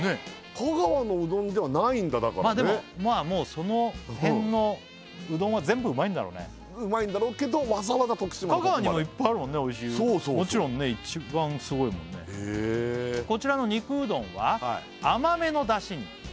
香川のうどんではないんだだからねまあでももうその辺のうどんは全部うまいんだろうねうまいんだろうけどわざわざ徳島のとこまで香川にもいっぱいあるもんねおいしいもちろんね一番すごいもんね「こちらの肉うどんは甘めのだしに」